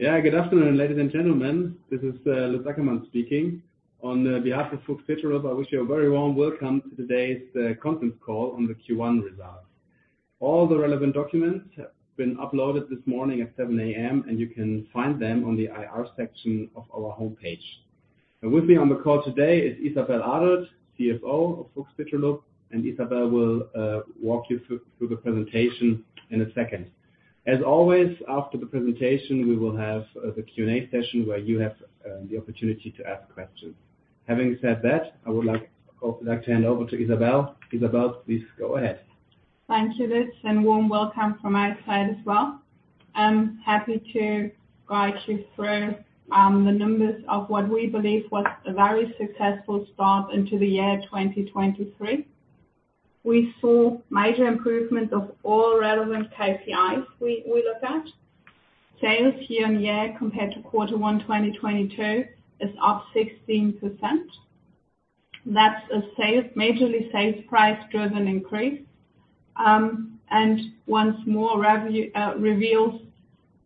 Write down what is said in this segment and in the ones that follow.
Yeah, good afternoon, ladies and gentlemen. This is Lutz Ackermann speaking on the behalf of Fuchs Petrolub. I wish you a very warm welcome to today's conference call on the Q1 results. All the relevant documents have been uploaded this morning at 7:00 A.M., and you can find them on the Investor Relations section of our homepage. With me on the call today is Isabelle Adelt, CFO of Fuchs Petrolub, and Isabelle will walk you through the presentation in a second. As always, after the presentation, we will have the Q&A session where you have the opportunity to ask questions. Having said that, of course, I'd like to hand over to Isabelle. Isabelle, please go ahead. Thank you, Liz. Warm welcome from my side as well. I'm happy to guide you through the numbers of what we believe was a very successful start into the year 2023. We saw major improvements of all relevant KPIs we look at. Sales year-on-year compared to quarter one 2022 is up 16%. That's a majorly sales price-driven increase. Once more reveals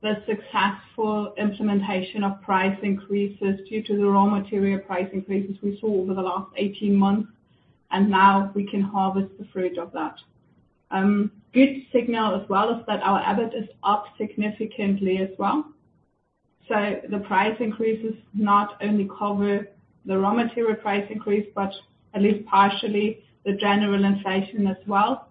the successful implementation of price increases due to the raw material price increases we saw over the last 18 months, and now we can harvest the fruit of that. Good signal as well is that our EBIT is up significantly as well. The price increases not only cover the raw material price increase, but at least partially the general inflation as well.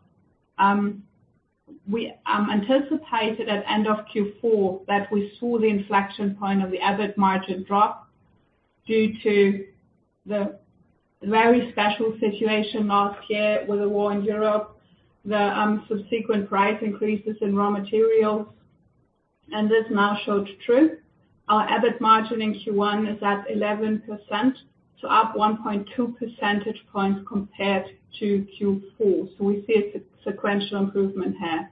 We anticipated at end of Q4 that we saw the inflection point of the EBIT margin drop due to the very special situation last year with the war in Europe, the subsequent price increases in raw materials, and this now showed true. Our EBIT margin in Q1 is at 11%, so up 1.2 percentage points compared to Q4. We see a sequential improvement here.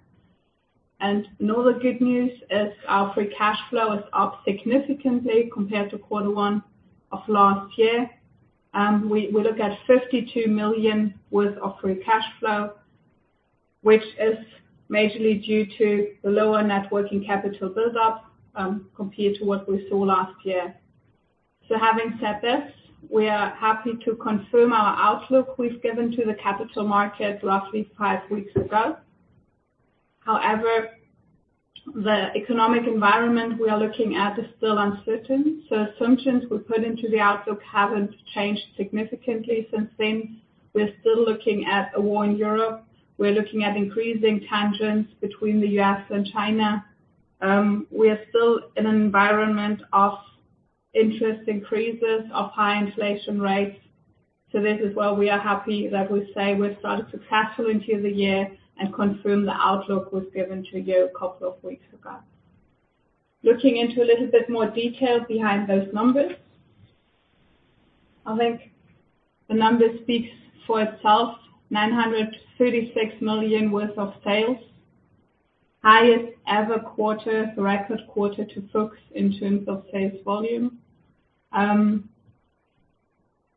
Another good news is our free cash flow is up significantly compared to Q1 of last year. We look at 52 million worth of free cash flow, which is majorly due to the lower net working capital build-up compared to what we saw last year. Having said this, we are happy to confirm our outlook we've given to the capital market last week, five weeks ago. However, the economic environment we are looking at is still uncertain. Assumptions we put into the outlook haven't changed significantly since then. We're still looking at a war in Europe. We're looking at increasing tensions between the U.S. and China. We are still in an environment of interest increases, of high inflation rates. This is why we are happy that we say we've started successfully into the year and confirm the outlook was given to you a couple of weeks ago. Looking into a little bit more detail behind those numbers. I think the number speaks for itself. 936 million worth of sales. Highest ever quarter, the record quarter to FUCHS' in terms of sales volume.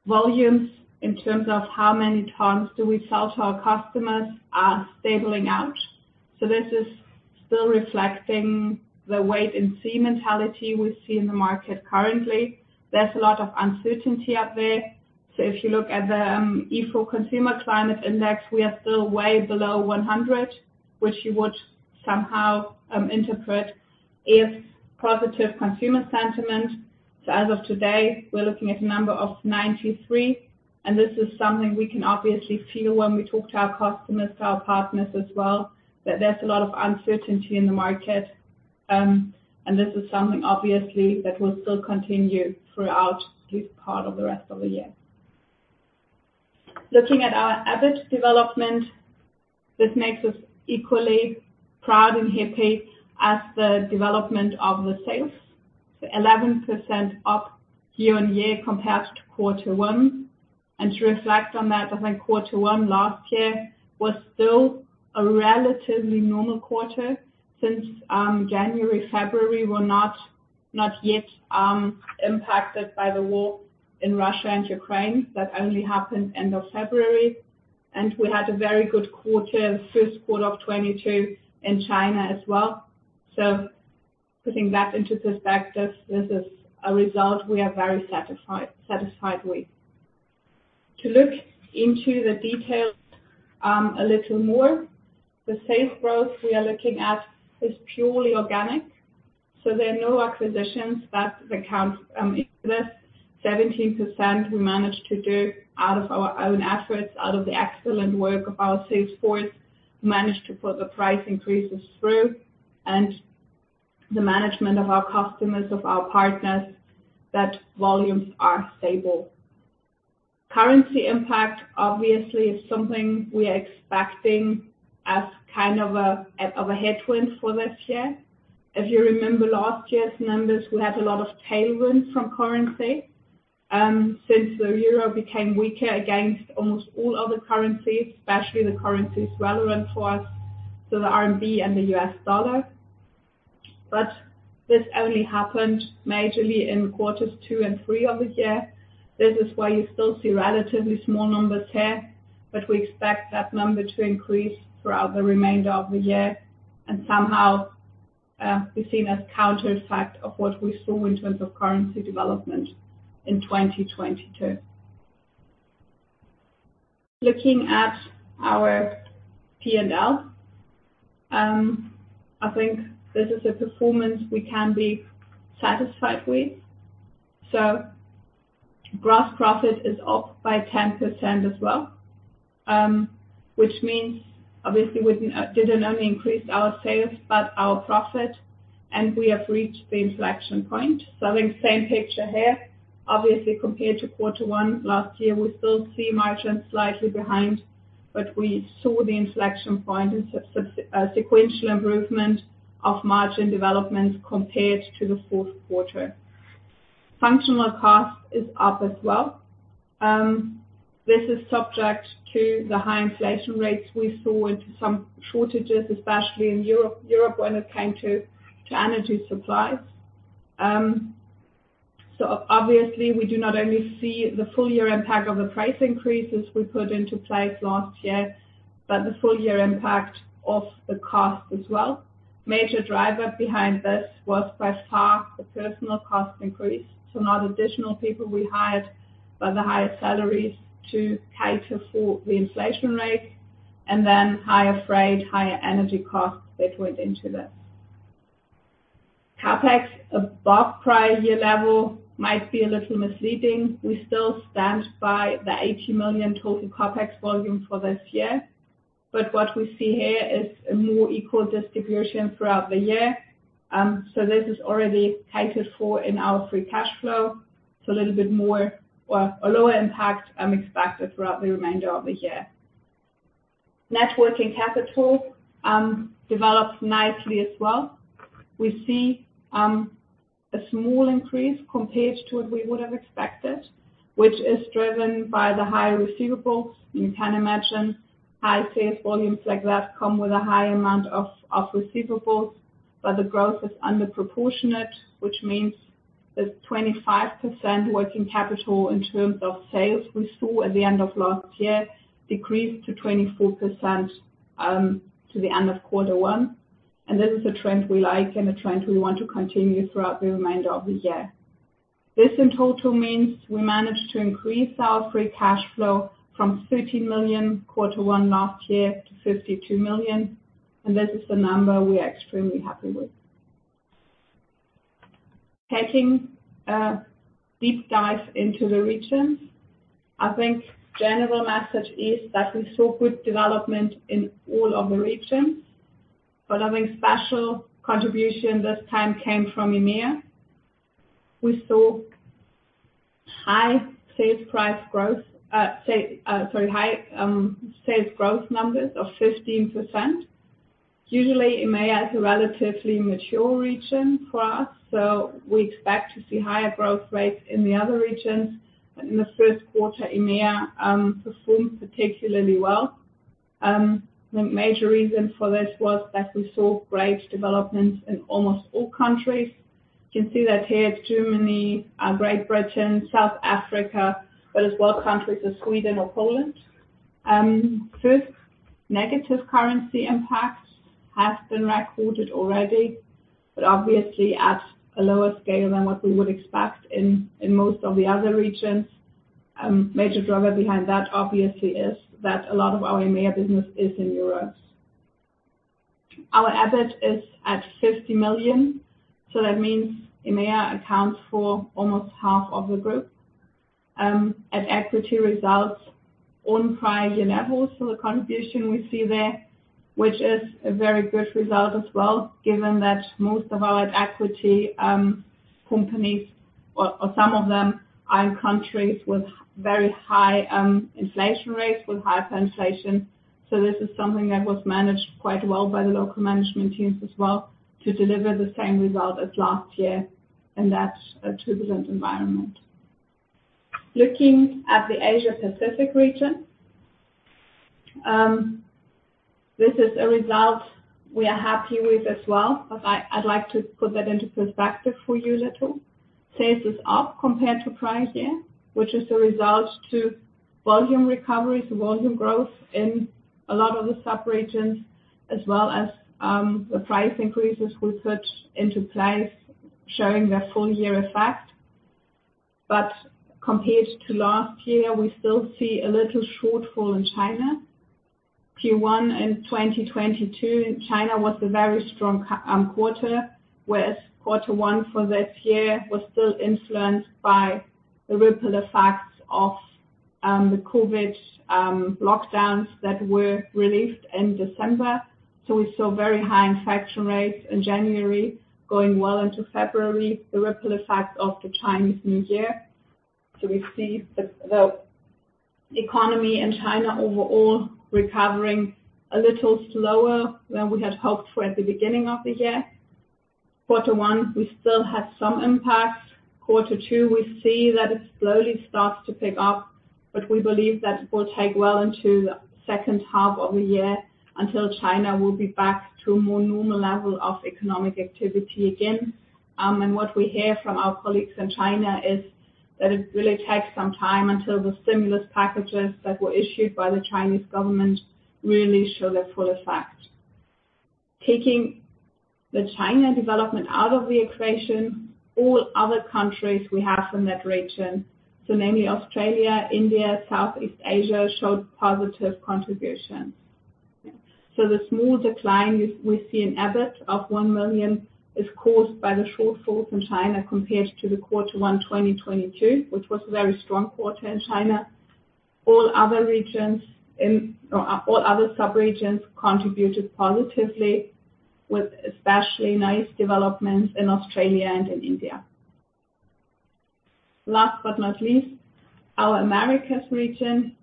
Volumes in terms of how many tons do we sell to our customers are stabilizing out. This is still reflecting the wait-and-see mentality we see in the market currently. There's a lot of uncertainty out there. If you look at the Ifo Consumer Climate Index, we are still way below 100, which you would somehow interpret is positive consumer sentiment. As of today, we're looking at a number of 93, and this is something we can obviously feel when we talk to our customers, to our partners as well, that there's a lot of uncertainty in the market. This is something obviously that will still continue throughout this part of the rest of the year. Looking at our EBIT development, this makes us equally proud and happy as the development of the sales. 11% up year-on-year compared to quarter one. To reflect on that, I think quarter one last year was still a relatively normal quarter since January, February were not yet impacted by the war in Russia and Ukraine. That only happened end of February. We had a very good quarter, Q1 2022 in China as well. Putting that into perspective, this is a result we are very satisfied with. To look into the details a little more, the sales growth we are looking at is purely organic, so there are no acquisitions. That's the count in this. 17% we managed to do out of our own efforts, out of the excellent work of our sales force, managed to put the price increases through and the management of our customers, of our partners, that volumes are stable. Currency impact obviously is something we are expecting as kind of a, of a headwind for this year. If you remember last year's numbers, we had a lot of tailwind from currency, since the euro became weaker against almost all other currencies, especially the currencies relevant for us, so the RMB and the U.S. dollar. This only happened majorly in quarters second and third of the year. This is why you still see relatively small numbers here. We expect that number to increase throughout the remainder of the year, and somehow, be seen as counter effect of what we saw in terms of currency development in 2022. Looking at our P&L, I think this is a performance we can be satisfied with. Gross profit is up by 10% year-on-year as well, which means obviously we didn't only increase our sales but our profit, and we have reached the inflection point. I think same picture here. Obviously, compared to quarter one last year, we still see margin slightly behind, but we saw the inflection point in sequential improvement of margin development compared to the Q4. Functional cost is up as well. This is subject to the high inflation rates we saw and some shortages, especially in Europe when it came to energy supplies. Obviously, we do not only see the full-year impact of the price increases we put into place last year, but the full-year impact of the cost as well. Major driver behind this was by far the personal cost increase. Not additional people we hired, but the higher salaries to cater for the inflation rates and then higher freight, higher energy costs that went into this. CapEx above prior year level might be a little misleading. We still stand by the 80 million total CapEx volume for this year. What we see here is a more equal distribution throughout the year. This is already catered for in our free cash flow. A little bit more or a lower impact expected throughout the remainder of the year. Net working capital develops nicely as well. We see a small increase compared to what we would have expected, which is driven by the higher receivables. You can imagine high sales volumes like that come with a high amount of receivables. The growth is under proportionate, which means the 25% working capital in terms of sales we saw at the end of last year decreased to 24% to the end of Q1. This is a trend we like and a trend we want to continue throughout the remainder of the year. This in total means we managed to increase our free cash flow from 13 million quarter one last year to 52 million. This is the number we are extremely happy with. Taking a deep dive into the regions, I think general message is that we saw good development in all of the regions. I think special contribution this time came from EMEA. We saw high sales price growth, high sales growth numbers of 15%. Usually, EMEA is a relatively mature region for us, so we expect to see higher growth rates in the other regions. In the Q1, EMEA performed particularly well. The major reason for this was that we saw great developments in almost all countries. You can see that here. Germany, Great Britain, South Africa, as well countries of Sweden or Poland. First, negative currency impact has been recorded already, obviously at a lower scale than what we would expect in most of the other regions. Major driver behind that obviously is that a lot of our EMEA business is in Europe. Our EBIT is at 50 million, that means EMEA accounts for almost half of the group, at equity results on prior year levels. The contribution we see there, which is a very good result as well, given that most of our equity companies or some of them are in countries with very high inflation rates, with high pension. This is something that was managed quite well by the local management teams as well to deliver the same result as last year in that turbulent environment. Looking at the Asia-Pacific region, this is a result we are happy with as well. I'd like to put that into perspective for you a little. Sales is up compared to prior year, which is a result to volume recoveries, volume growth in a lot of the subregions, as well as, the price increases we put into place showing their full-year effect. Compared to last year, we still see a little shortfall in China. Q1 in 2022, China was a very strong quarter, whereas Q1 for this year was still influenced by the ripple effects of the COVID lockdowns that were released in December. We saw very high infection rates in January, going well into February, the ripple effects of the Chinese New Year. We see the economy in China overall recovering a little slower than we had hoped for at the beginning of the year. Q1, we still have some impacts. Q2, we see that it slowly starts to pick up. We believe that it will take well into H2 of the year until China will be back to a more normal level of economic activity again. What we hear from our colleagues in China is that it really takes some time until the Chinese government's stimulus packages really show their full effect. Taking the China development out of the equation, all other countries we have in that region, so namely Australia, India, Southeast Asia, showed positive contribution. The small decline we see in EBIT of 1 million is caused by the shortfall from China compared to the Q1 2022, which was a very strong quarter in China. All other subregions contributed positively with especially nice developments in Australia and in India. Last but not least, our Americas region,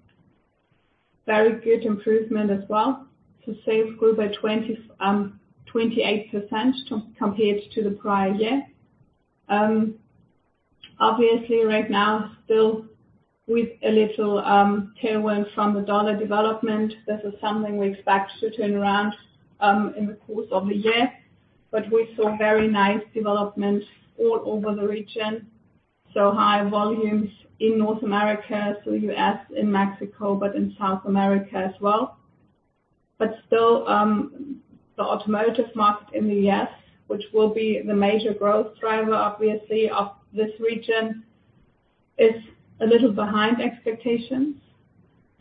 very good improvement as well. Sales grew by 28% compared to the prior year. Obviously right now still with a little tailwind from the dollar development. This is something we expect to turn around in the course of the year, but we saw very nice development all over the region, so high volumes in North America, so U.S. and Mexico, but in South America as well. Still, the automotive market in the U.S., which will be the major growth driver, obviously, of this region, is a little behind expectations.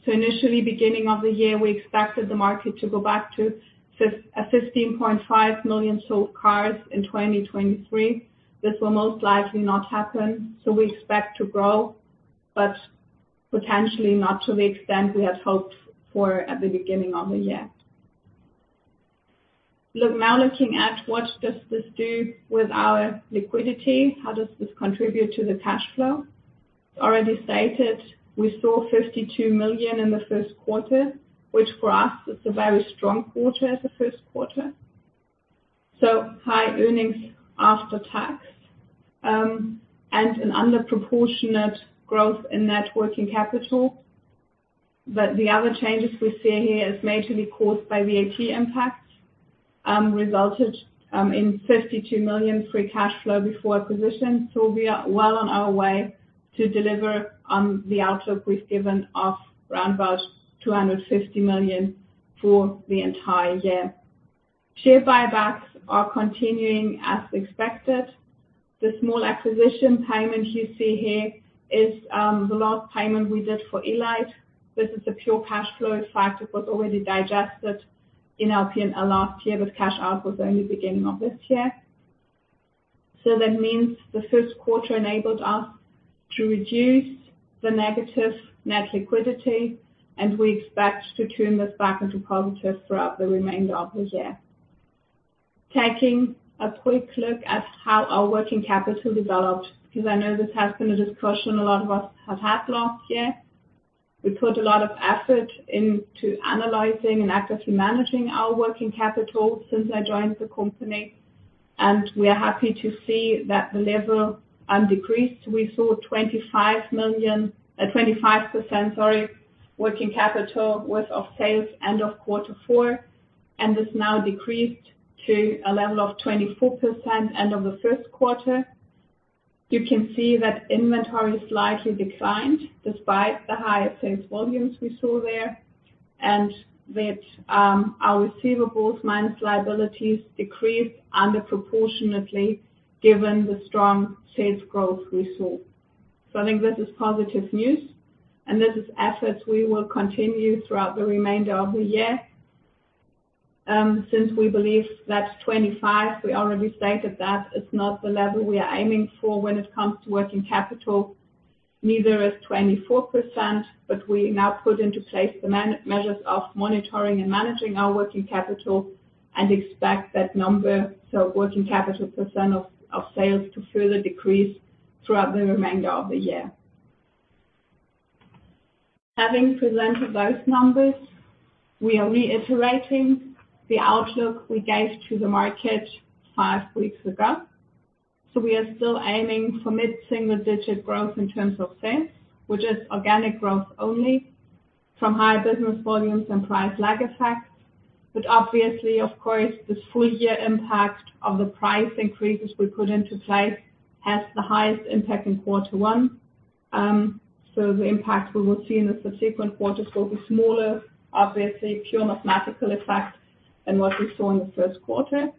Initially, beginning of the year, we expected the market to go back to a 15.5 million sold cars in 2023. This will most likely not happen. We expect to grow, but potentially not to the extent we had hoped for at the beginning of the year. Look, now looking at what does this do with our liquidity, how does this contribute to the cash flow? Already stated we saw 52 million in the Q1, which for us is a very strong quarter, the Q1. High earnings after tax, and an under-proportionate growth in net working capital. The other changes we see here is majorly caused by VAT impacts, resulted in 52 million free cash flow before acquisition. We are well on our way to deliver on the outlook we've given of round about 250 million for the entire year. Share buybacks are continuing as expected. The small acquisition payment you see here is the last payment we did for Elight. This is a pure cash flow effect. It was already digested in our P&L last year. This cash out was only beginning of this year. That means the Q1 enabled us to reduce the negative net liquidity, and we expect to turn this back into positive throughout the remainder of the year. Taking a quick look at how our working capital developed, because I know this has been a discussion a lot of us have had last year. We put a lot of effort into analyzing and actively managing our working capital since I joined the company, and we are happy to see that the level decreased. We saw 25%, sorry, working capital worth of sales end of Q4, and this now decreased to a level of 24% end of the Q1. You can see that inventory slightly declined despite the higher sales volumes we saw there, and that our receivables minus liabilities decreased under proportionately given the strong sales growth we saw. I think this is positive news, and this is efforts we will continue throughout the remainder of the year. Since we believe that 25%, we already stated that it's not the level we are aiming for when it comes to working capital. Neither is 24%, but we now put into place the measures of monitoring and managing our working capital and expect that number, so working capital % of sales, to further decrease throughout the remainder of the year. Having presented those numbers, we are reiterating the outlook we gave to the market five weeks ago. We are still aiming for mid-single-digit growth in terms of sales, which is organic growth only from higher business volumes and price lag effects. Obviously, of course, the full-year impact of the price increases we put into place has the highest impact in quarter one. The impact we will see in the subsequent quarters will be smaller, obviously pure mathematical effect than what we saw in the Q1.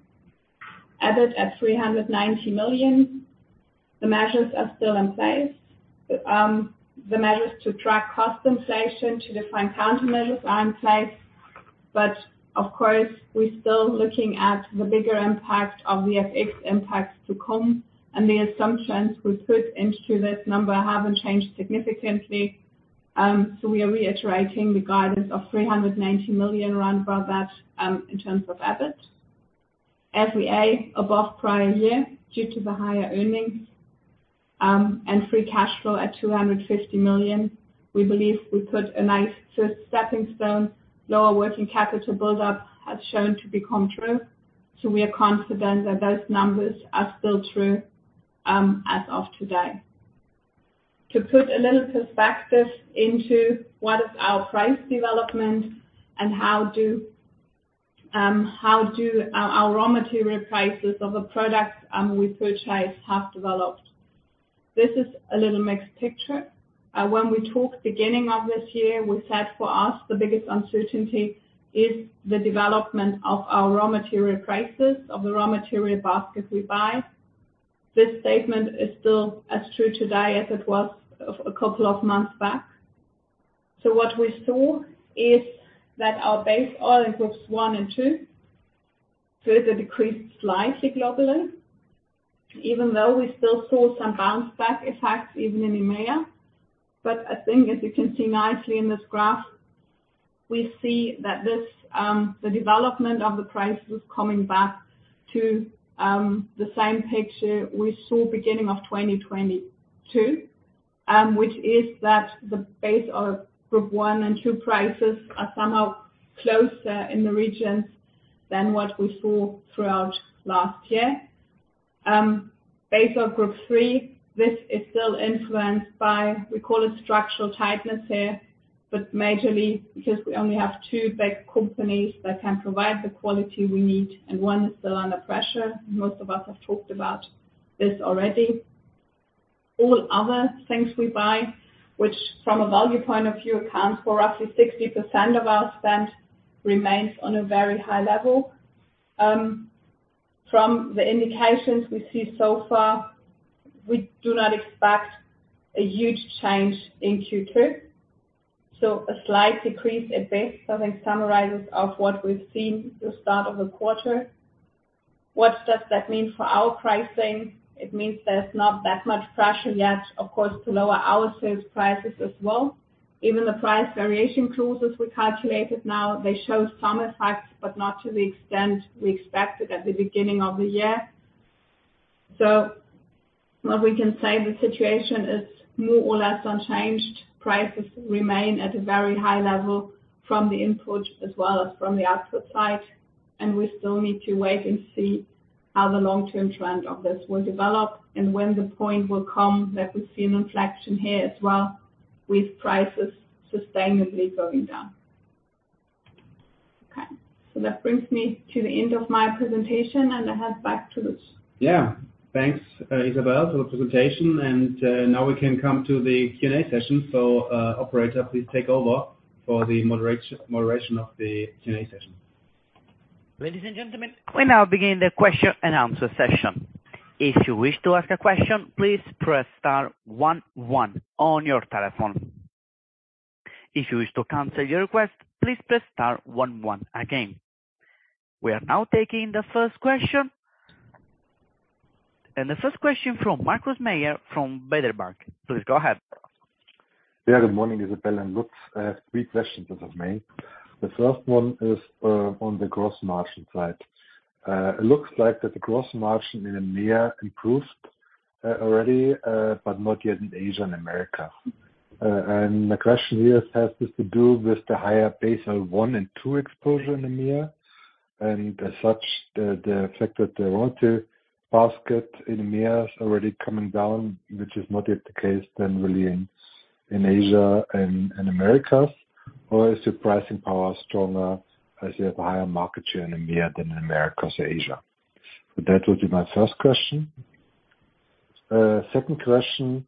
EBIT at 390 million. The measures are still in place. The measures to track cost inflation, to define countermeasures are in place. Of course, we're still looking at the bigger impact of the FX impacts to come, and the assumptions we put into this number haven't changed significantly. We are reiterating the guidance of EUR 390 million roundabout, in terms of EBIT. SVA above prior year due to the higher earnings, and free cash flow at 250 million. We believe we put a nice first stepping stone. Lower working capital build-up has shown to become true. We are confident that those numbers are still true as of today. To put a little perspective into what is our price development and how do our raw material prices of a product we purchase have developed. This is a little mixed picture. When we talked beginning of this year, we said for us, the biggest uncertainty is the development of our raw material prices, of the raw material basket we buy. This statement is still as true today as it was a couple of months back. What we saw is that our base oil Group I and II further decreased slightly globally, even though we still saw some bounce back effects even in EMEA. I think as you can see nicely in this graph, we see that this, the development of the prices coming back to the same picture we saw beginning of 2022, which is that the base oil Group I and II prices are somehow closer in the regions than what we saw throughout last year. Base oil Group III, this is still influenced by, we call it structural tightness here, but majorly because we only have two big companies that can provide the quality we need, and one is still under pressure. Most of us have talked about this already. All other things we buy, which from a value point of view, accounts for roughly 60% of our spend, remains on a very high level. From the indications we see so far, we do not expect a huge change in Q2. A slight decrease at best, I think summarizes of what we've seen the start of the quarter. What does that mean for our pricing? It means there's not that much pressure yet, of course, to lower our sales prices as well. Even the price variation clauses we calculated now, they show some effects, but not to the extent we expected at the beginning of the year. What we can say, the situation is more or less unchanged. Prices remain at a very high level from the input as well as from the output side, and we still need to wait and see how the long-term trend of this will develop and when the point will come that we see an inflection here as well, with prices sustainably going down. That brings me to the end of my presentation, and I hand back to Lutz. Yeah. Thanks, Isabelle, for the presentation. Now we can come to the Q&A session. Operator, please take over for the moderation of the Q&A session. Ladies and gentlemen, we now begin the question and answer session. If you wish to ask a question, please press star one one on your telephone. If you wish to cancel your request, please press star one one again. We are now taking the first question. The first question from Markus Mayer from Baader Bank. Please go ahead. Good morning, Isabelle and Lutz. I have three questions of me. The first one is on the gross margin side. It looks like that the gross margin in EMEA improved already, but not yet in Asia and America. The question here has this to do with the higher base oil one and two exposure in EMEA, and as such, the effect that the raw material basket in EMEA is already coming down, which is not yet the case then really in Asia and Americas. Is the pricing power stronger as you have a higher market share in EMEA than in Americas or Asia? That would be my first question. Second question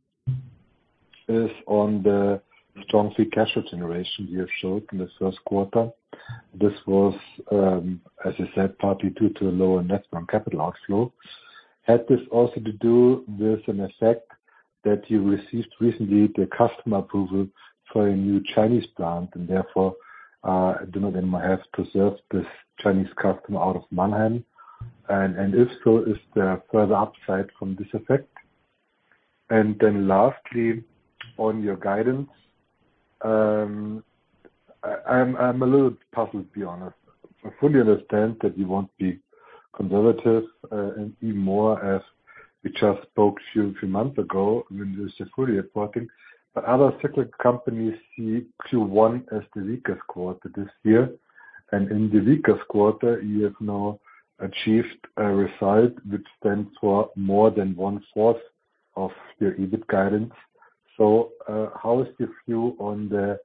is on the strong free cash generation you have showed in the Q1. This was, as I said, partly due to a lower net working capital outflow. Had this also to do with an effect that you received recently the customer approval for a new Chinese plant and therefore, I don't know, then might have preserved this Chinese customer out of Mannheim? If so, is there further upside from this effect? Lastly, on your guidance, I'm a little puzzled, to be honest. I fully understand that you won't be conservative, and even more as we just spoke to you a few months ago when you were still fully reporting. Other cyclic companies see Q1 as the weakest quarter this year, and in the weakest quarter, you have now achieved a result which stands for more than one fourth of your EBIT guidance. How is this view on the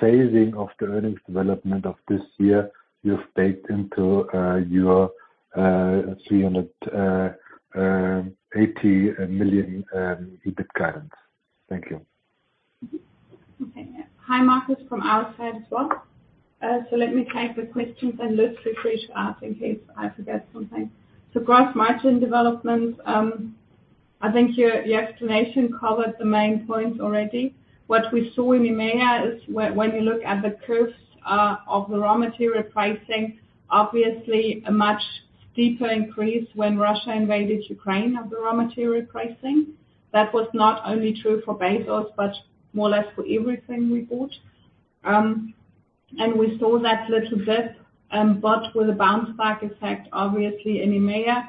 phasing of the earnings development of this year you've baked into your 380 million EBIT guidance? Thank you. Okay. Hi, Markus, from our side as well. Let me take the questions and Lutz will finish up in case I forget something. Gross margin development, I think your explanation covered the main points already. What we saw in EMEA is when you look at the curves of the raw material pricing, obviously a much deeper increase when Russia invaded Ukraine of the raw material pricing. That was not only true for base oils, but more or less for everything we bought. We saw that little dip, but with a bounce back effect obviously in EMEA.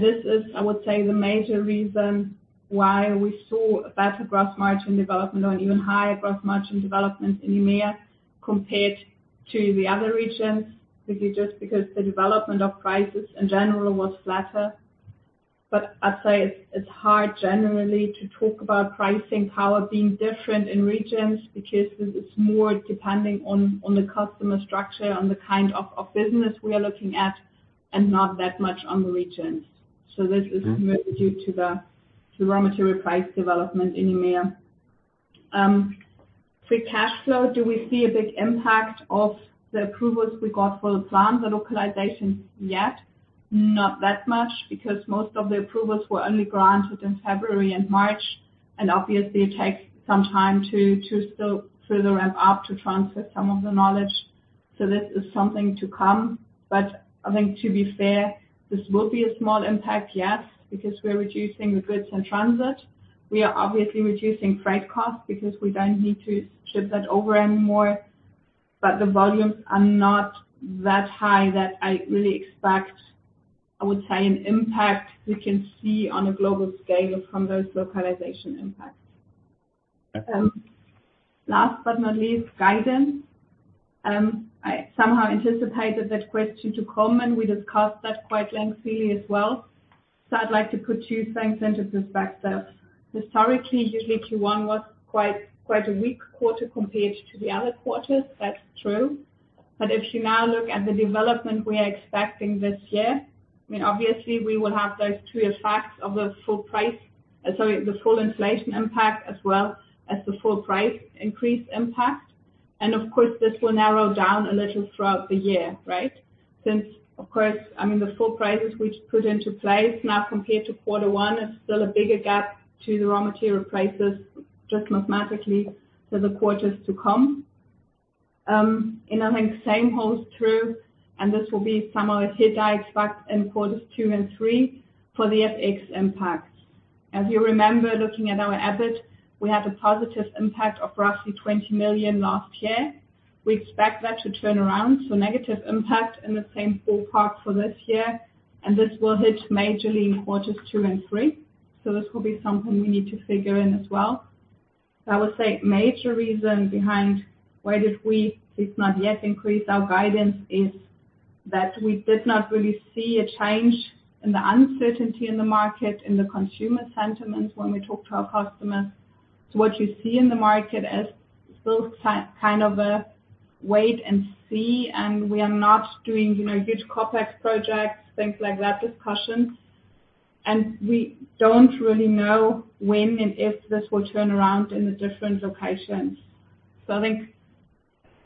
This is, I would say, the major reason why we saw a better gross margin development or an even higher gross margin development in EMEA compared to the other regions, really just because the development of prices in general was flatter. I'd say it's hard generally to talk about pricing power being different in regions, because it's more depending on the customer structure, on the kind of business we are looking at, and not that much on the regions. Mm-hmm. -more due to the raw material price development in EMEA. Free cash flow, do we see a big impact of the approvals we got for the plants, the localizations, yet? Not that much, because most of the approvals were only granted in February and March, obviously it takes some time to still further ramp up to transfer some of the knowledge. This is something to come. I think to be fair, this will be a small impact, yes, because we're reducing the goods in transit. We are obviously reducing freight costs because we don't need to ship that over anymore. The volumes are not that high that I really expect, I would say, an impact we can see on a global scale from those localization impacts. Okay. Last but not least, guidance. I somehow anticipated that question to come, and we discussed that quite lengthily as well. I'd like to put two things into perspective. Historically, usually Q1 was quite a weak quarter compared to the other quarters. That's true. If you now look at the development we are expecting this year, I mean, obviously we will have those two effects of the full inflation impact, as well as the full price increase impact. Of course, this will narrow down a little throughout the year, right? Since of course, I mean, the full prices we put into place now compared to quarter one is still a bigger gap to the raw material prices, just mathematically for the quarters to come. I think same holds true, and this will be somehow a hit I expect in Quarters two and three for the FX impacts. As you remember, looking at our EBIT, we had a positive impact of roughly 20 million last year. We expect that to turn around. Negative impact in the same ballpark for this year, and this will hit majorly in Quarters two and three. I would say major reason behind why we did not yet increase our guidance is that we did not really see a change in the uncertainty in the market, in the consumer sentiment when we talk to our customers. What you see in the market is still kind of a wait and see, and we are not doing, you know, huge CapEx projects, things like that, discussions. We don't really know when and if this will turn around in the different locations. I think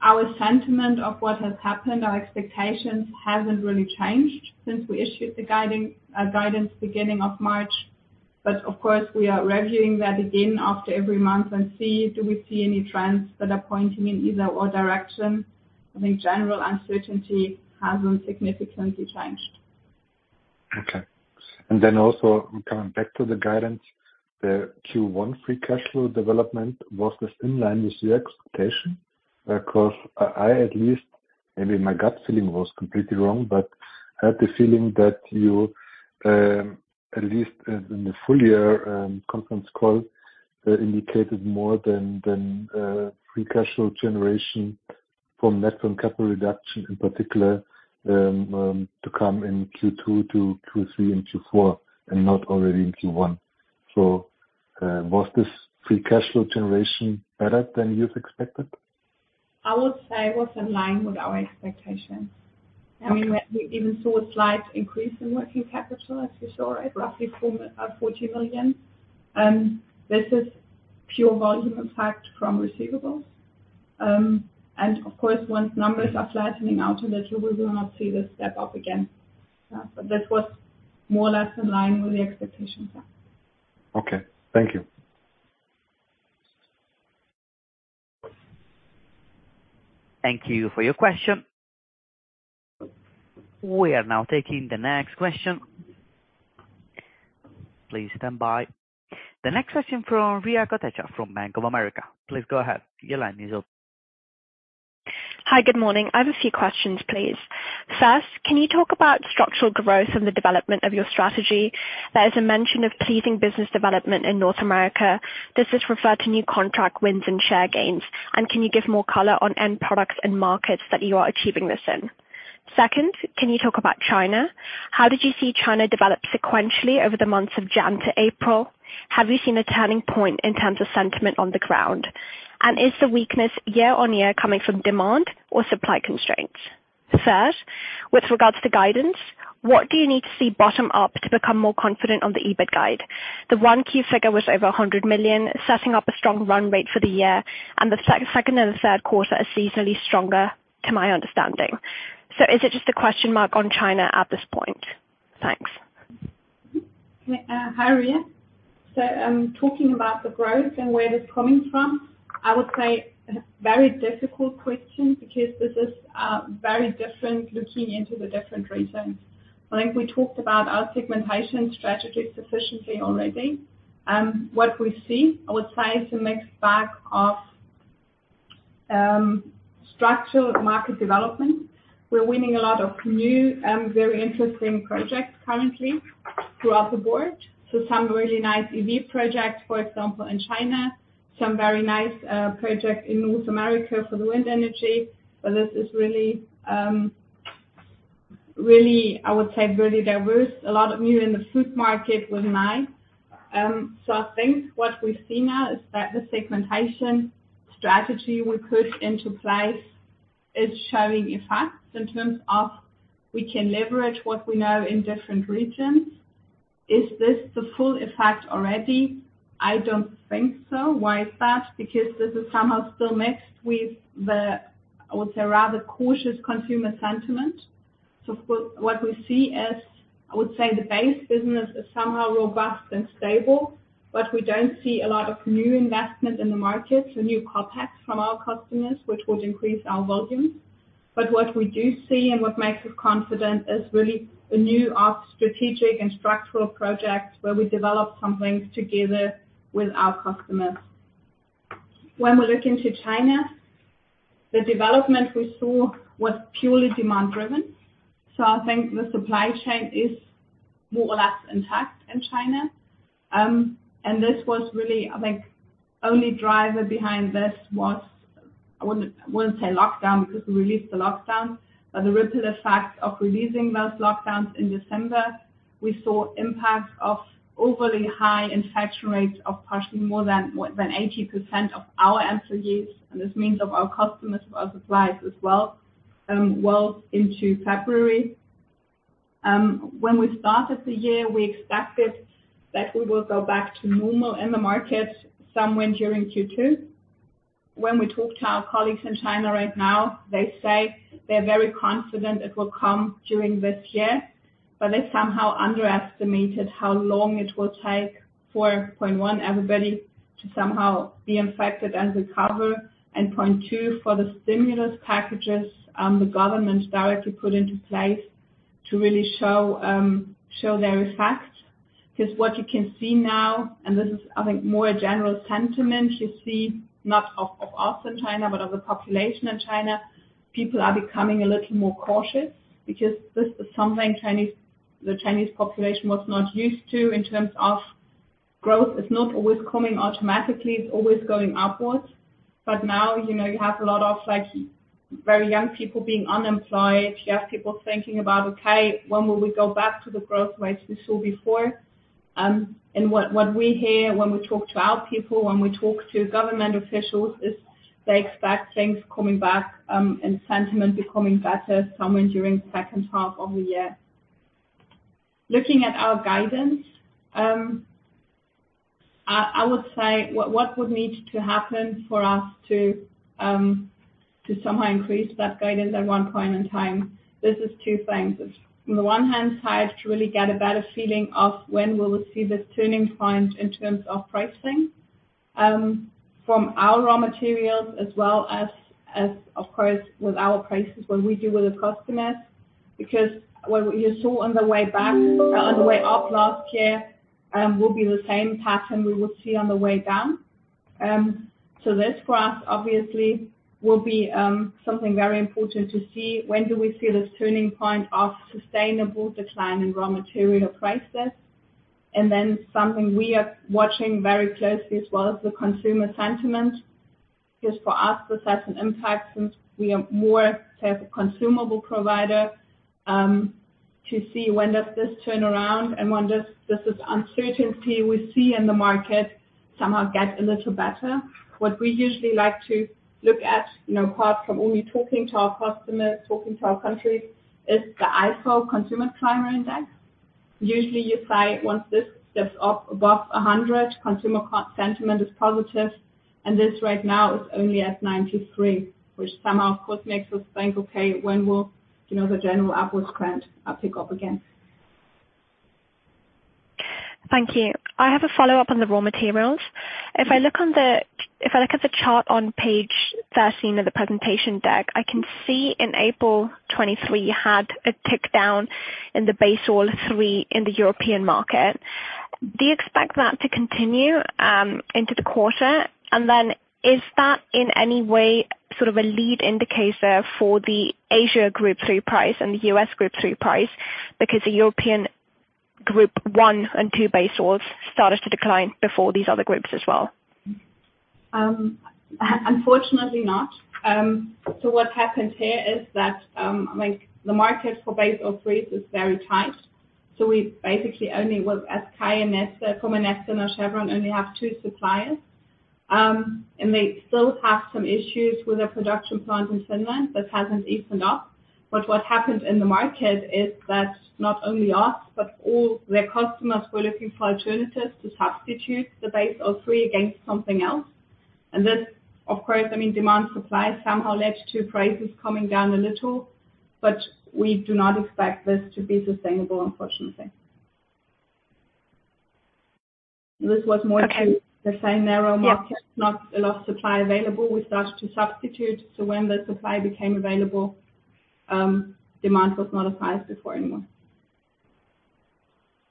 our sentiment of what has happened, our expectations haven't really changed since we issued the guiding guidance beginning of March. Of course, we are reviewing that again after every month and see do we see any trends that are pointing in either direction. I think general uncertainty hasn't significantly changed. Okay. Also coming back to the guidance, the Q1 free cash flow development, was this in line with your expectation? I at least, maybe my gut feeling was completely wrong, but I had the feeling that you, at least as in the full year, conference call, indicated more than free cash flow generation from net and capital reduction in particular, to come in Q2 to Q3 and Q4 and not already in Q1. Was this free cash flow generation better than you've expected? I would say it was in line with our expectations. Okay. I mean, we even saw a slight increase in working capital, as you saw, right? Roughly 40 million. This is pure volume impact from receivables. Of course, once numbers are flattening out a little, we will not see this step up again. That was more or less in line with the expectations, yeah. Okay. Thank you. Thank you for your question. We are now taking the next question. Please stand by. The next question from Riya Kotecha from Bank of America. Please go ahead. Your line is open. Hi. Good morning. I have a few questions, please. First, can you talk about structural growth and the development of your strategy? There is a mention of pleasing business development in North America. Does this refer to new contract wins and share gains? Can you give more color on end products and markets that you are achieving this in? Second, can you talk about China? How did you see China develop sequentially over the months of January to April? Have you seen a turning point in terms of sentiment on the ground? Is the weakness year-on-year coming from demand or supply constraints? Third, with regards to guidance, what do you need to see bottom up to become more confident on the EBIT guide? The one key figure was over 100 million, setting up a strong run rate for the year and the second and the third quarter are seasonally stronger, to my understanding. Is it just a question mark on China at this point? Thanks. Hi, Riya. Talking about the growth and where it is coming from, I would say very difficult question because this is very different looking into the different regions. I think we talked about our segmentation strategy sufficiently already. What we see, I would say, is a mixed bag of structural market development. We're winning a lot of new, very interesting projects currently throughout the board. Some really nice EV projects, for example, in China, some very nice projects in North America for the wind energy. This is really, I would say, really diverse. A lot of new in the food market with Nye. I think what we see now is that the segmentation strategy we put into place is showing effects in terms of we can leverage what we know in different regions. Is this the full effect already? I don't think so. Why is that? Because this is somehow still mixed with the, I would say, rather cautious consumer sentiment. What we see as, I would say, the base business is somehow robust and stable, but we don't see a lot of new investment in the markets or new CapEx from our customers, which would increase our volumes. What we do see and what makes us confident is really the new strategic and structural projects where we develop something together with our customers. When we look into China, the development we saw was purely demand-driven. I think the supply chain is more or less intact in China. This was really, I think, only driver behind this was, I wouldn't say lockdown because we released the lockdown, but the ripple effect of releasing those lockdowns in December, we saw impacts of overly high infection rates of partially more than 80% of our employees, and this means of our customers, our suppliers as well, well into February. When we started the year, we expected that we will go back to normal in the market somewhere during Q2. When we talk to our colleagues in China right now, they say they're very confident it will come during this year, but they somehow underestimated how long it will take for, point 1, everybody to somehow be infected and recover, and point 2, for the stimulus packages, the government directly put into place to really show their effect. What you can see now, and this is, I think, more a general sentiment you see, not of us in China, but of the population in China, people are becoming a little more cautious because this is something the Chinese population was not used to in terms of growth. It's not always coming automatically. It's always going upwards. Now, you know, you have a lot of, like, very young people being unemployed. You have people thinking about, okay, when will we go back to the growth rates we saw before? What, what we hear when we talk to our people, when we talk to government officials, is they expect things coming back, and sentiment becoming better somewhere during H2 of the year. Looking at our guidance, I would say what would need to happen for us to somehow increase that guidance at one point in time, this is two things. On the one hand side, to really get a better feeling of when will we see this turning point in terms of pricing, from our raw materials as well as of course, with our prices when we deal with the customers. What you saw on the way back, on the way up last year, will be the same pattern we will see on the way down. This for us obviously will be something very important to see. When do we see this turning point of sustainable decline in raw material prices? Then something we are watching very closely as well is the consumer sentiment. For us, this has an impact since we are more, say, a consumable provider, to see when does this turn around and when does this uncertainty we see in the market somehow get a little better. What we usually like to look at, you know, apart from only talking to our customers, talking to our countries, is the GfK Consumer Climate Index. Usually, you say once this steps up above 100, consumer sentiment is positive. This right now is only at 93, which somehow of course makes us think, okay, when will, you know, the general upwards trend, pick up again? Thank you. I have a follow-up on the raw materials. If I look at the chart on page 13 of the presentation deck, I can see in April 2023, you had a tick down in the base oil Group III in the European market. Do you expect that to continue into the quarter? Is that in any way sort of a lead indicator for the Asia Group III price and the U.S. Group III price? The European Group I and II base oils started to decline before these other groups as well. Unfortunately not. What happens here is that like the market for Group III base oils is very tight. We basically only with SK,Neste and Chevron only have two suppliers. They still have some issues with their production plant in Finland. That hasn't eased enough. What happens in the market is that not only us, but all their customers were looking for alternatives to substitute the Group III base oils against something else. This, of course, I mean, demand supply somehow led to prices coming down a little, but we do not expect this to be sustainable, unfortunately. This was more to. Okay. The same narrow market. Yeah. Not a lot of supply available. We started to substitute. When the supply became available, demand was not as high as before anymore.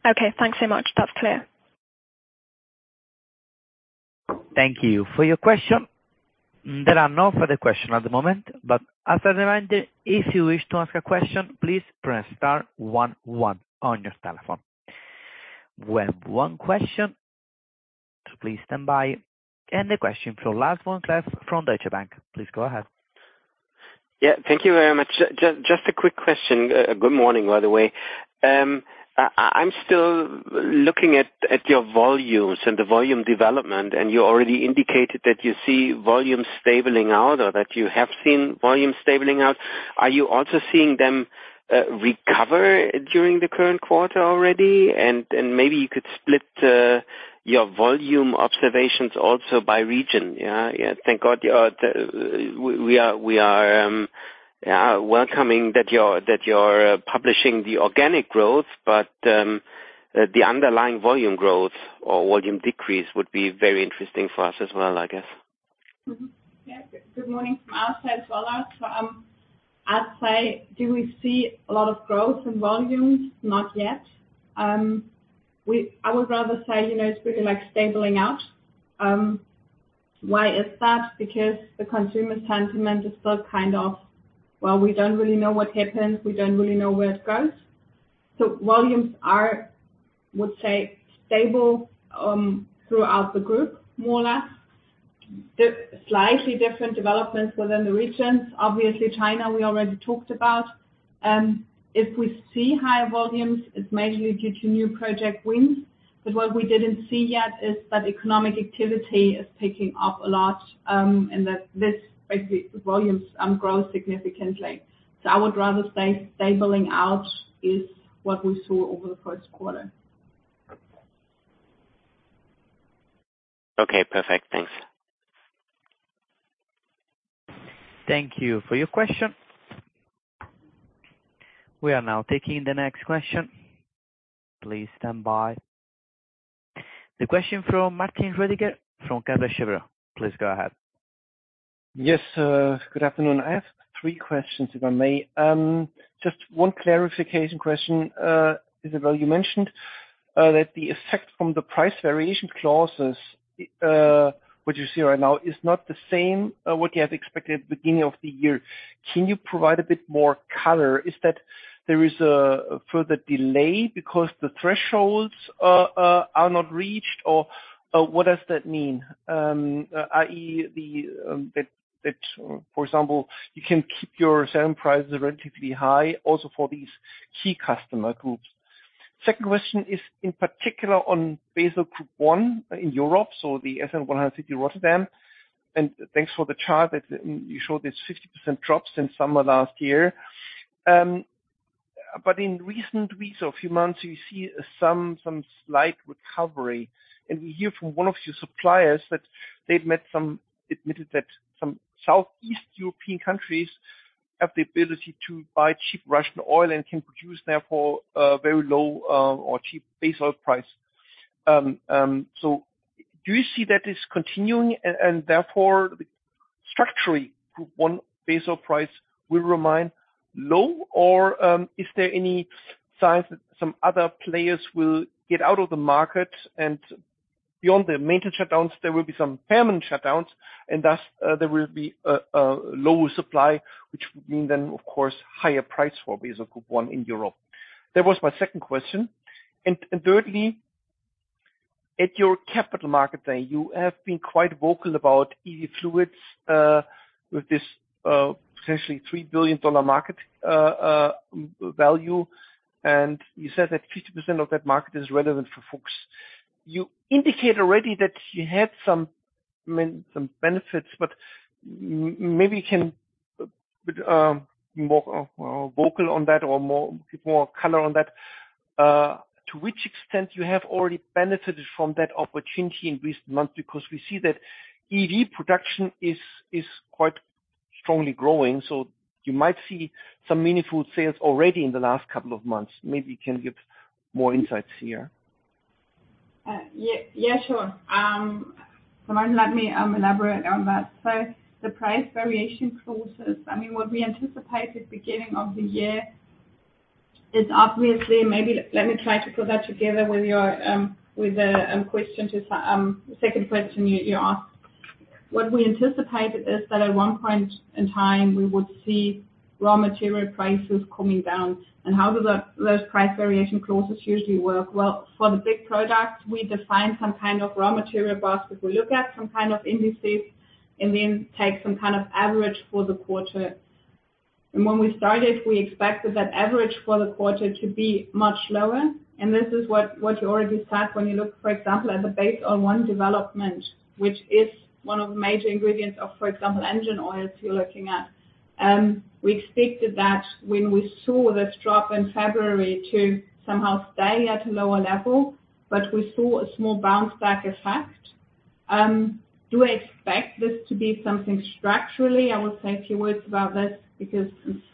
Okay. Thanks so much. That's clear. Thank you for your question. There are no further question at the moment, but as a reminder, if you wish to ask a question, please press star one one on your telephone. We have one question, so please stand by. The question from Lars vom Cleff from Deutsche Bank. Please go ahead. Yeah, thank you very much. Just a quick question. Good morning, by the way. I'm still looking at your volumes and the volume development, and you already indicated that you see volumes stabilizing out or that you have seen volumes stabilizing out. Are you also seeing them recover during the current quarter already? Maybe you could split your volume observations also by region, yeah? Thank God we are, yeah, welcoming that you're publishing the organic growth, the underlying volume growth or volume decrease would be very interesting for us as well, I guess. Good morning from our side as well. I'd say, do we see a lot of growth in volumes? Not yet. I would rather say, you know, it's really, like, stabling out. Why is that? Because the consumer sentiment is still kind of, well, we don't really know what happens. We don't really know where it goes. Volumes are, I would say, stable throughout the group, more or less. The slightly different developments within the regions, obviously, China, we already talked about. If we see higher volumes, it's mainly due to new project wins. What we didn't see yet is that economic activity is picking up a lot, and that this basically volumes grow significantly. I would rather say stabling out is what we saw over the Q1. Okay, perfect. Thanks. Thank you for your question. We are now taking the next question. Please stand by. The question from Sebastian Bray from Berenberg. Please go ahead. Yes, good afternoon. I have three questions, if I may. Just one clarification question. Isabelle, you mentioned that the effect from the price variation clauses, what you see right now is not the same, what you had expected at the beginning of the year. Can you provide a bit more color? Is that there is a further delay because the thresholds are not reached, or what does that mean? i.e. the, that, for example, you can keep your selling prices relatively high also for these key customer groups. Second question is in particular on Group I base oil pricing in Europe, so the SN 100 CIF Rotterdam. thanks for the chart that you showed, it's 60% drops since summer last year. in recent weeks or a few months, you see some slight recovery. We hear from one of your suppliers that they've admitted that some Southeast European countries have the ability to buy cheap Russian oil and can produce, therefore, a very low or cheap base oil price. Do you see that as continuing and therefore structurally Group I base oil prices will remain low, or is there any signs that some other players will get out of the market and beyond the maintenance shutdowns, there will be some permanent shutdowns, and thus there will be a lower supply, which would mean then, of course, higher price for Group I base oil prices in Europe? That was my second question. Thirdly, at your Capital Market Day, you have been quite vocal about e-fluids, with this potentially $3 billion market value, and you said that 50% of that market is relevant for FUCHS. You indicate already that you had some benefits, but maybe you can more vocal on that or more give more color on that. To which extent you have already benefited from that opportunity in recent months? We see that EV production is quite strongly growing, so you might see some meaningful sales already in the last couple of months. Maybe you can give more insights here. Yeah, sure. Let me elaborate on that. The price variation clauses... I mean, what we anticipated beginning of the year is obviously... Maybe let me try to put that together with your, with the question to the second question you asked. What we anticipated is that at one point in time, we would see raw material prices coming down. How do those price variation clauses usually work? Well, for the big products, we define some kind of raw material basket. We look at some kind of indices and then take some kind of average for the quarter. When we started, we expected that average for the quarter to be much lower. This is what you already said when you look, for example, at the Group I base oil prices development, which is one of the major ingredients of, for example, engine oils you're looking at. We expected that when we saw this drop in February to somehow stay at a lower level, but we saw a small bounce back effect. Do I expect this to be something structurally? I will say a few words about that because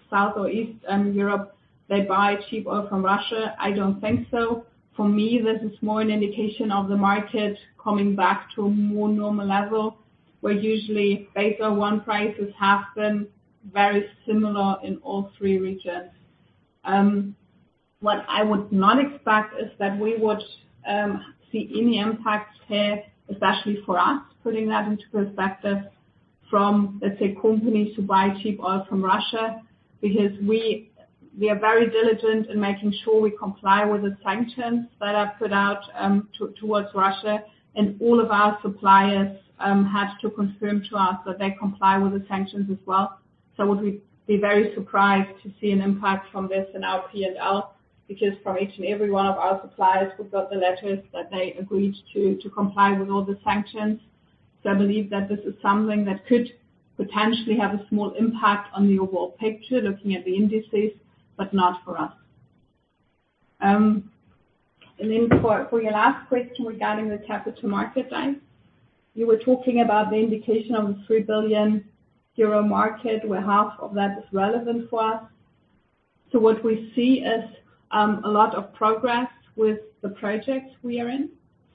South or East Europe, they buy cheap oil from Russia. I don't think so. For me, this is more an indication of the market coming back to a more normal level, where usually base oil one prices have been very similar in all three regions. What I would not expect is that we would see any impact here, especially for us, putting that into perspective from, let's say, companies who buy cheap oil from Russia, because we are very diligent in making sure we comply with the sanctions that are put out towards Russia. All of our suppliers have to confirm to us that they comply with the sanctions as well. Would we be very surprised to see an impact from this in our P&L, because from each and every one of our suppliers, we've got the letters that they agreed to comply with all the sanctions. I believe that this is something that could potentially have a small impact on the overall picture, looking at the indices, but not for us. For your last question regarding the capital market line, you were talking about the indication of a 3 billion euro market, where half of that is relevant for us. What we see is a lot of progress with the projects we are in.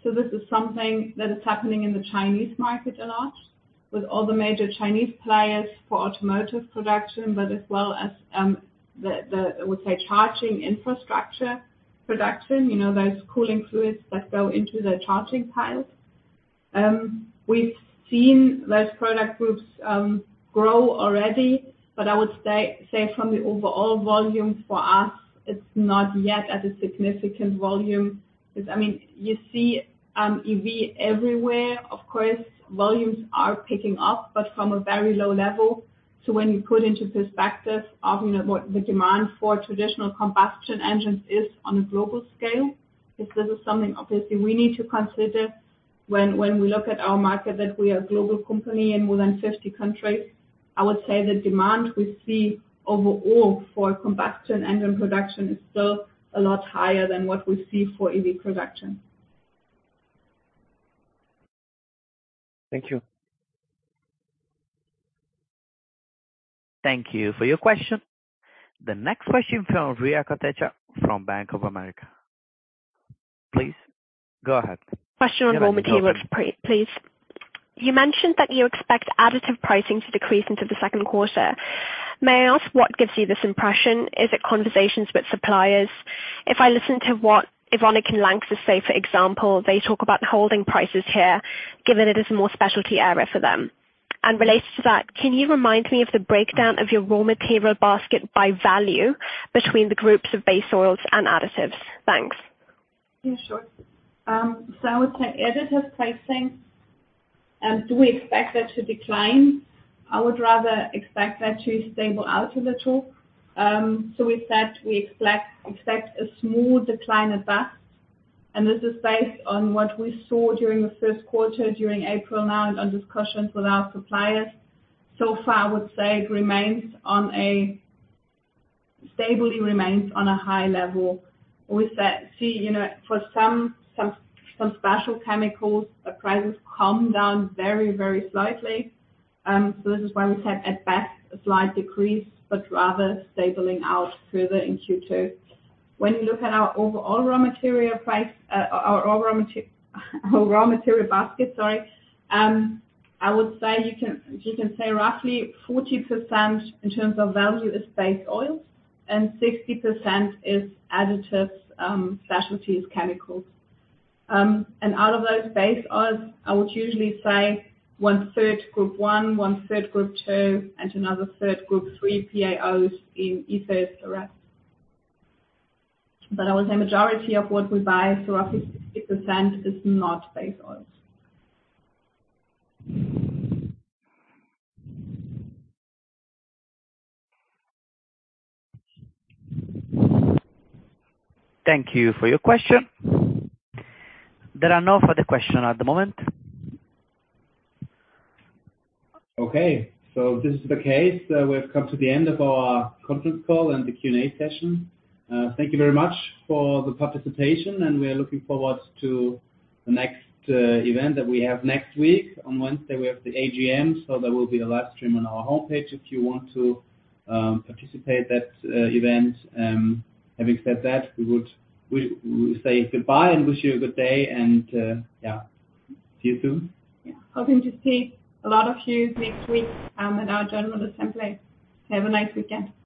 This is something that is happening in the Chinese market a lot with all the major Chinese players for automotive production, but as well as, I would say, charging infrastructure production. You know, those cooling fluids that go into the charging piles. We've seen those product groups grow already, but I would say from the overall volume for us, it's not yet at a significant volume. I mean, you see, EV everywhere. Of course, volumes are picking up, but from a very low level. When you put into perspective often what the demand for traditional combustion engines is on a global scale, this is something obviously we need to consider when we look at our market that we are a global company in more than 50 countries. I would say the demand we see overall for combustion engine production is still a lot higher than what we see for EV production. Thank you. Thank you for your question. The next question from Riya Kotecha from Bank of America. Please go ahead. Question on raw materials, please. You mentioned that you expect additive pricing to decrease into the Q2. May I ask what gives you this impression? Is it conversations with suppliers? If I listen to what Evonik and LANXESS say, for example, they talk about holding prices here, given it is a more specialty area for them. Related to that, can you remind me of the breakdown of your raw material basket by value between the groups of base oils and additives? Thanks. Yeah, sure. I would say additive pricing, do we expect that to decline? I would rather expect that to stable out a little. We said we expect a smooth decline at best, and this is based on what we saw during the Q1, during April now, and our discussions with our suppliers. So far, I would say it stably remains on a high level. We see, you know, for some special chemicals, the prices calm down very, very slightly. This is why we said at best a slight decrease, but rather stabling out further in Q2. When you look at our overall raw material price, our raw material basket, sorry, I would say you can say roughly 40% in terms of value is base oils and 60% is additives, specialties, chemicals. Out of those base oils, I would usually say one-third Group I base oils, one-third Group II base oils, and another one-third Group III PAOs in ethers, the rest. I would say majority of what we buy, so roughly 60% is not base oils. Thank you for your question. There are no further question at the moment. If this is the case, we've come to the end of our conference call and the Q&A session. Thank you very much for the participation. We are looking forward to the next event that we have next week. On Wednesday, we have the AGM. There will be a live stream on our homepage if you want to participate that event. Having said that, we say goodbye and wish you a good day. Yeah, see you soon. Yeah. Hoping to see a lot of yous next week, in our general assembly. Have a nice weekend.